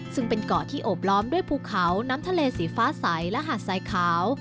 ซึ่งเป็นเกาะที่โอบล้อมด้วยภูเขาน้ำทะเลสีฟ้าใสและหาดสายขาว